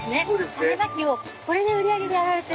種まきをこれの売り上げでやられてる。